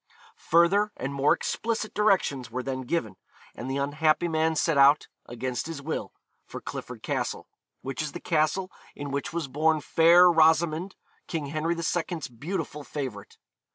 Further and more explicit directions were then given, and the unhappy man set out, against his will, for Clifford Castle, which is the castle in which was born Fair Rosamond, King Henry II.'s beautiful favourite.